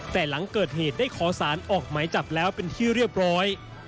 แต่หลังเกิดเหตุได้ขอสารออกหมายจับแล้วเป็นที่เรียบร้อย